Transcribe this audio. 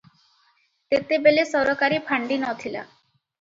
ତେତେବେଳେ ସରକାରୀ ଫାଣ୍ଡି ନ ଥିଲା ।